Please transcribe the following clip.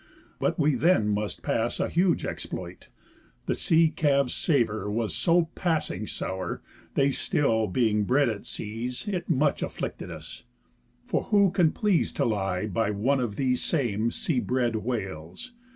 But we then must pass A huge exploit. The sea calves' savour was So passing sour, they still being bred at seas, It much afflicted us; for who can please To lie by one of these same sea bred whales?